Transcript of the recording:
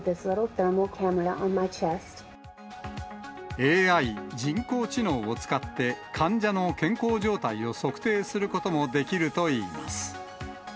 ＡＩ・人工知能を使って、患者の健康状態を測定することもできるといいます。